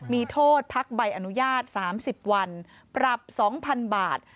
มีโทษพักใบอนุญาต๓๐วันปรับ๒๐๐๐บาท